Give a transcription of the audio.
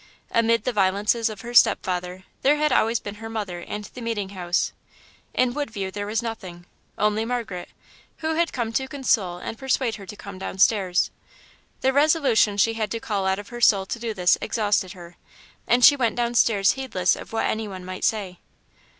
Amid the violences of her stepfather there had always been her mother and the meeting house. In Woodview there was nothing, only Margaret, who had come to console and persuade her to come downstairs. The resolution she had to call out of her soul to do this exhausted her, and she went downstairs heedless of what anyone might say.